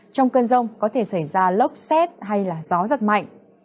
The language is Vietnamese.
trong cơn rông có thể xảy ra lốc xét hay là gió giật mạnh